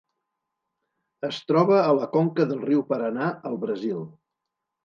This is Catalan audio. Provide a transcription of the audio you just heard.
Es troba a la conca del riu Paranà al Brasil.